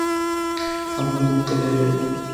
আমি মুখ তুলেই বলব।